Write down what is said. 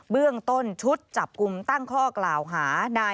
เบื้องต้นชุดจับกลุ่มตั้งข้อกล่าวหานาย